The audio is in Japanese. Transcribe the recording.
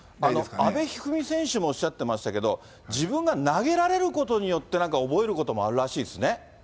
阿部一二三選手もおっしゃってましたけど、自分が投げられることによって、なんか覚えることもあるらしいですね。